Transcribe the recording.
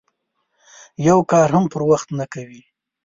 یو کار هم پر وخت نه کوي.